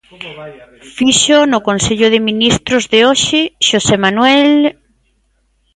Fíxoo no Consello de Ministros de hoxe, Xosé Manuel...